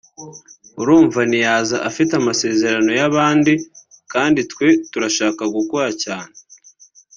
urumva ntiyaza afite amasezerano y’abandi kandi twe turashaka gukora cyane